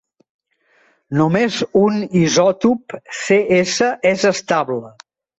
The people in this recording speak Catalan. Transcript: Només un isòtop, Cs, és estable.